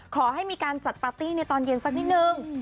ขอให้มีการจัดปาร์ตี้ในตอนเย็นสักนิดนึง